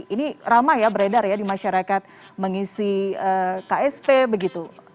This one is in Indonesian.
ini ramai ya beredar ya di masyarakat mengisi ksp begitu